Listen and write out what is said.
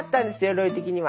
ロイ的には。